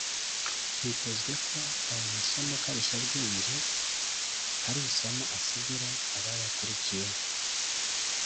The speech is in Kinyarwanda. Hitezwe ko aya masomo karishyabwenge hari isomo asigira abayakurikiye